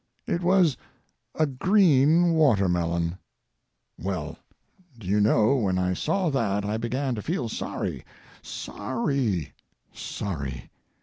It was a green watermelon. Well, do you know when I saw that I began to feel sorry—sorry—sorry.